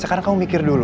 sekarang kamu mikir dulu